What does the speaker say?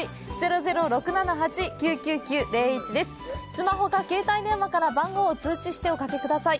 スマホか携帯電話から番号を通知しておかけください。